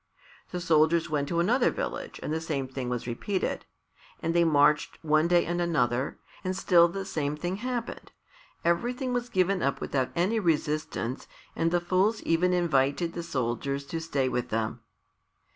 The soldiers went to another village and the same thing was repeated. And they marched one day and another, and still the same thing happened. Everything was given up without any resistance and the fools even invited the soldiers to stay with them.